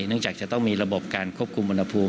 จะต้องมีระบบการควบคุมอุณหภูมิ